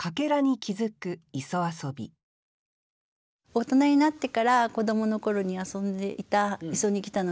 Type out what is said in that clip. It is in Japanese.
大人になってから子どもの頃に遊んでいた磯に来たのでしょう。